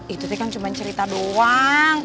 itu kan cuman cerita doang